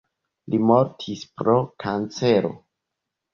Li mortis pro kancero.